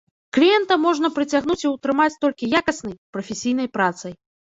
Кліента можна прыцягнуць і ўтрымаць толькі якаснай, прафесійнай працай.